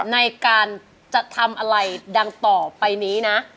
ในการจะทำอะไรดังต่อไปนี้นะ